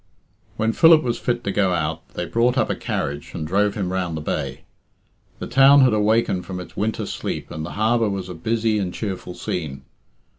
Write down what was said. When Philip was fit to go out, they brought up a carriage and drove him round the bay. The town had awakened from its winter sleep, and the harbour was a busy and cheerful scene.